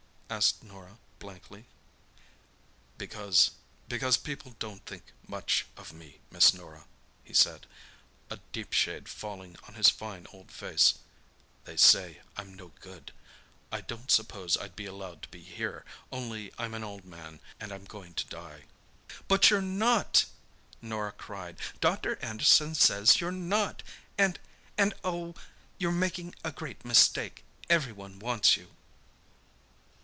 asked Norah blankly. "Because—because people don't think much of me, Miss Norah," he said, a deep shade falling on his fine old face. "They say I'm no good. I don't suppose I'd be allowed to be here, only I'm an old man, and I'm going to die." "But you're not!" Norah cried. "Dr. Anderson says you're not! And—and—oh, you're making a great mistake. Everyone wants you."